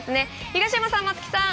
東山さん、松木さん